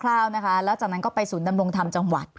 แล้วจากนั้นก็ไปศูนย์ดำรงธรรมจังหวัด